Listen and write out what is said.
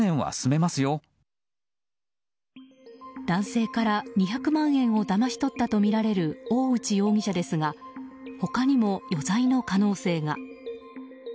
男性から２００万円をだまし取ったとみられる大内容疑者ですが他にも余罪の可能性が。